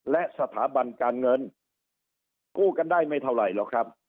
และสถาบันการเงินกู้กันได้ไม่เท่าไหร่หรอกครับ